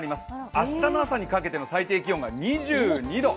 明日の朝にかけての最低気温が２２度。